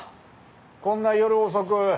こんな夜遅く。